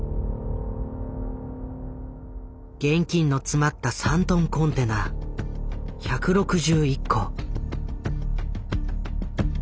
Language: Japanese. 現金の詰まった３トンコンテナ１６１個。